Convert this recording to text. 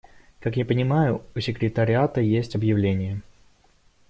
Как я понимаю, у секретариата есть объявление.